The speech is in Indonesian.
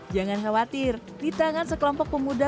jangan khawatir di tangan sekelompok pemuda